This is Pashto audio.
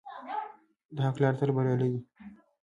د حق لاره تل بریالۍ وي.